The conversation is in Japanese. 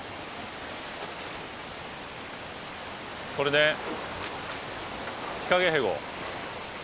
これねヒカゲヘゴ。